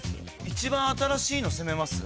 一番新しいの攻めます？